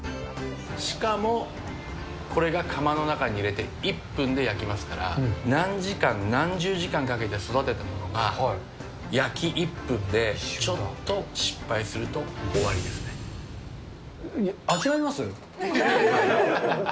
しかも、これが窯の中に入れて１分で焼きますから、何時間、何十時間かけて育てたものが焼き１分でちょっと失敗すると終わり諦めます？